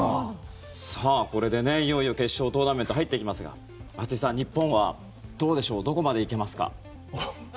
これでいよいよ決勝トーナメント入っていきますが松井さん、日本はどうでしょうどこまで行けますか。